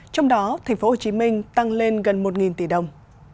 trong đó tp hcm tăng lên gần một tỷ đồng